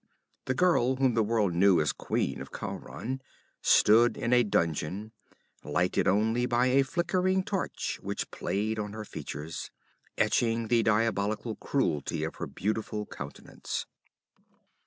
The girl whom the world knew as queen of Khauran stood in a dungeon, lighted only by a flickering torch which played on her features, etching the diabolical cruelty of her beautiful countenance.